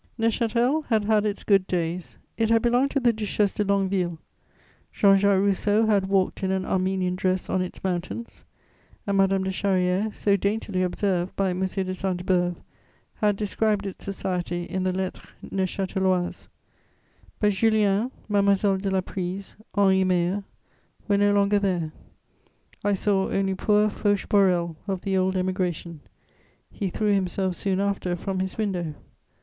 Neuchâtel had had its good days; it had belonged to the Duchesse de Longueville; Jean Jacques Rousseau had walked in an Armenian dress on its mountains, and Madame de Charrière, so daintily observed by M. de Sainte Beuve, had described its society in the Lettres Neuchâteloises; but Juliane, Mademoiselle de La Prise, Henri Meyer were no longer there; I saw only poor Fauche Borel, of the old Emigration; he threw himself soon after from his window.